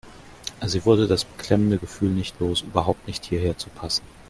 Sie wurde das beklemmende Gefühl nicht los, überhaupt nicht hierher zu passen.